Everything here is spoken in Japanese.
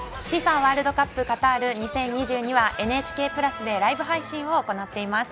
ＦＩＦＡワールドカップカタール２０２２は「ＮＨＫプラス」でライブ配信を行っています。